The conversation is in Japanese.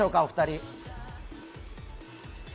お二人。